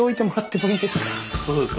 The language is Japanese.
そうですか。